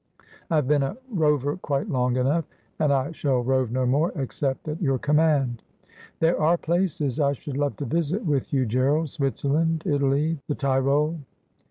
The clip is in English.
I have been a rover quite long enough, and I shall rove no more, except at your command.' ' There are places I should love to visit with you, Gerald — Switzerland, Italy, the Tyrol.'